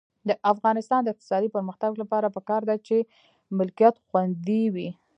د افغانستان د اقتصادي پرمختګ لپاره پکار ده چې ملکیت خوندي وي.